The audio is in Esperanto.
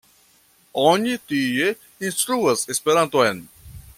Oni tie instruas Esperanton.